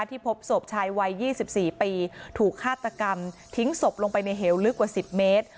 พบศพชายวัย๒๔ปีถูกฆาตกรรมทิ้งศพลงไปในเหวลึกกว่า๑๐เมตร